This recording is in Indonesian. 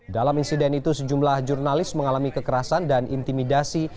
dalam insiden itu sejumlah jurnalis mengalami kekerasan dan intimidasi